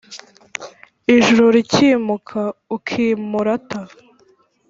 ijuru rikimuka ukimurata.